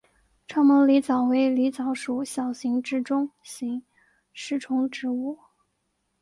长毛狸藻为狸藻属小型至中型食虫植物。